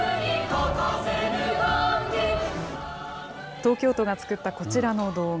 東京都が作ったこちらの動画。